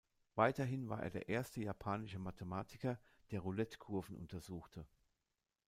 Weiterhin war er der erste japanische Mathematiker, der Roulette-Kurven untersuchte.